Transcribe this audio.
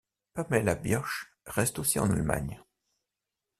Pamela Birch reste aussi en Allemagne.